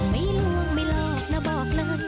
ไม่รู้ไม่หลอกนะบอกเลย